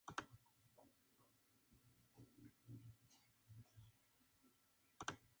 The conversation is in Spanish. Teodorico viajó como peregrino a Tierra Santa.